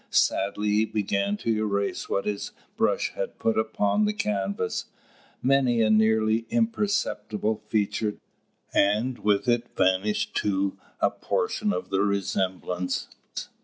Sadly he began to erase what his brush had put upon the canvas. Many a nearly imperceptible feature disappeared, and with it vanished too a portion of the resemblance.